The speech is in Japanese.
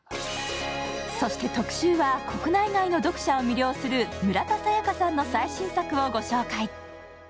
特集は、国内外の読者を魅了する村田沙耶香さんの最新作をご紹介。